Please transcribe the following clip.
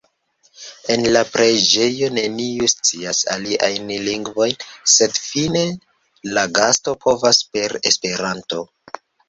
En la preĝejo neniu scias aliajn lingvojn, sed fine la gasto provas per Esperanto.